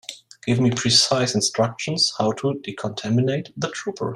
Give me precise instructions how to decontaminate the trooper.